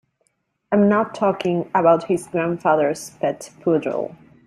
I'm not talking about his grandfather's pet poodle.